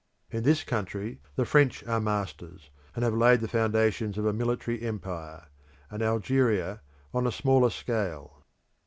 In this country the French are masters, and have laid the foundations of a military empire; an Algeria on a smaller scale.